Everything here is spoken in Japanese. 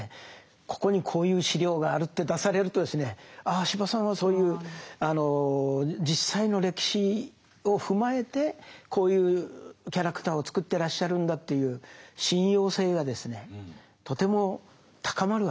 ここにこういう資料があるって出されるとですねああ司馬さんはそういう実際の歴史を踏まえてこういうキャラクターを作ってらっしゃるんだという信用性がですねとても高まるわけです。